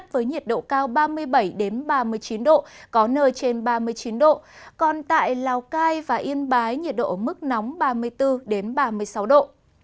với nhiệt độ cao ba mươi bảy ba mươi chín độ có nơi trên ba mươi chín độ còn tại lào cai và yên bái nhiệt độ ở mức nóng ba mươi bốn ba mươi sáu độ